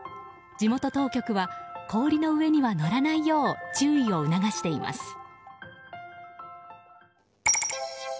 地元当局は氷の上には乗らないよう注意を促しています。